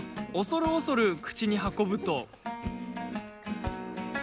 恐る恐る、口に運ぶと。